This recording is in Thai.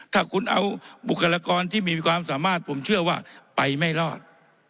ถ้าคุณเอาบุคลากรที่มีความสามารถผมเชื่อว่าไปไม่รอด